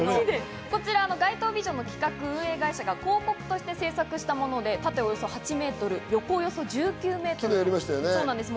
こちらは街頭ビジョンの企画・運営会社が広告として制作したもので縦およそ８ｍ、横およそ１９ｍのものなんです。